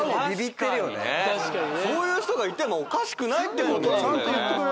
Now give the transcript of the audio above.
そういう人がいてもおかしくないってことなんだよね。